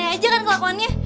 aneh aja kan kelakuannya